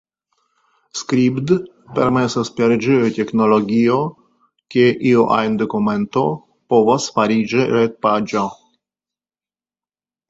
Sribd permesas per ĝia teknologio ke iu ajn dokumento povas fariĝi retpaĝo.